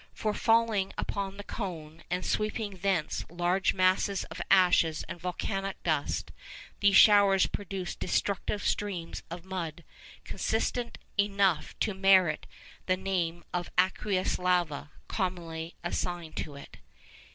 For, falling upon the cone, and sweeping thence large masses of ashes and volcanic dust, these showers produced destructive streams of mud, consistent enough to merit the name of 'aqueous lava' commonly assigned to it.